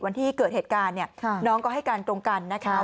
วันที่เกิดเหตุการณ์เนี่ยน้องก็ให้การตรงกันนะคะ